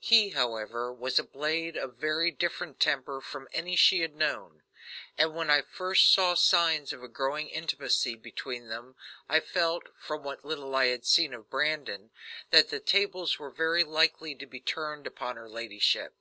He, however, was a blade of very different temper from any she had known; and when I first saw signs of a growing intimacy between them I felt, from what little I had seen of Brandon, that the tables were very likely to be turned upon her ladyship.